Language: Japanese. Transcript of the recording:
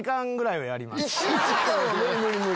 １時間は無理無理！